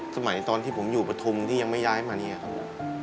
สมัยตอนที่ผมอยู่ปฐุมที่ยังไม่ย้ายมาเนี่ยครับ